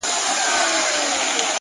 هره ورځ د نوې نسخې په شان ده,